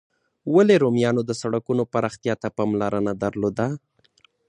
ولي رومیانو د سړکونو پراختیا ته پاملرنه درلوده؟